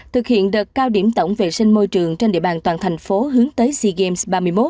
thực hiện đợt cao điểm tổng vệ sinh môi trường trên địa bàn toàn thành phố hướng tới sea games ba mươi một